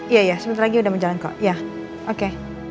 iya sebentar lagi udah mau jalan kok ya oke